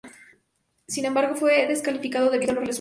Sin embargo, fue descalificado debido a los resultados.